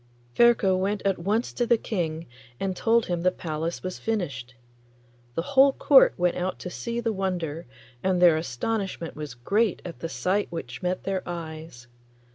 Ferko went at once to the King and told him the palace was finished. The whole court went out to see the wonder, and their astonishment was great at the sight which met their eyes.